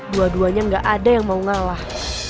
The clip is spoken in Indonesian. dua duanya gak ada yang mau ngalah